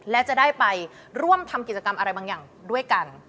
และจะได้ไปร่วมทำกิจกรรมอะไรบางอย่างด้วยกัน